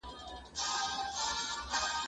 چي استاد یې وو منتر ورته ښودلی